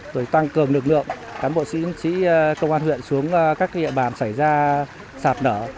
rồi tăng cường lực lượng cán bộ chiến sĩ công an huyện xuống các địa bàn xảy ra sạp nở